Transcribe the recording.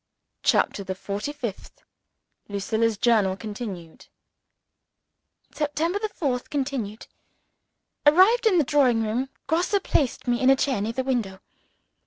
CHAPTER THE FORTY FIFTH Lucilla's Journal, concluded September 4th (continued). ARRIVED in the drawing room, Grosse placed me in a chair near the window.